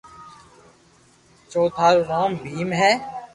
چوٿا رو نوم ڀيم ھي